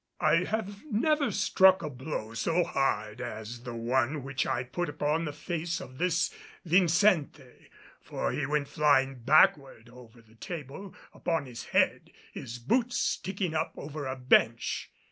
I have never struck a blow so hard as that one which I put upon the face of this Vincente, for he went flying backward over the table, upon his head, his boots sticking up over a bench.